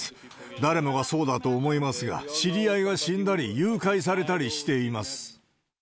誰もがそうだと思いますが、知り合いが死んだり、誘拐されたりしています。